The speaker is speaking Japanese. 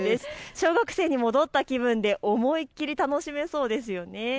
小学生に戻った気分で思いっきり楽しめそうですよね。